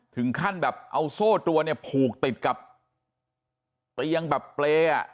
ถึงขั้นแบบเอาโซ่ตัวเนี่ยผูกติดกับเตียงแบบเปรย์อ่ะ